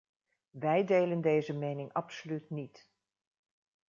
Wij delen deze mening absoluut niet.